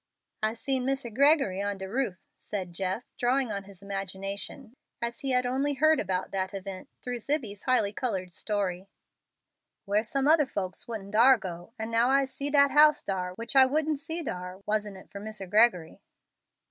"I'se seen Misser Gregory on de roof," said Jeff, drawing on his imagination, as he had only heard about that event through Zibbie's highly colored story, "where some other folks wouldn't dar go, and now I'se see dat house dar, which I wouldn't see dar, wasn't it for Misser Gregory."